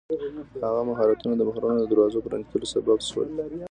هغه مهارتونه د بحرونو د دروازو پرانیستلو سبب شول.